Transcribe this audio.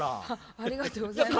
ありがとうございます。